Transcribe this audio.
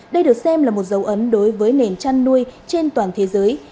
đây được xem là một dấu ấn đối với nền chăn nuôi trên toàn thế giới